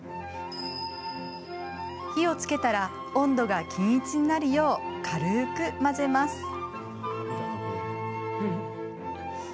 火をつけたら温度が均一になるよう軽く混ぜます。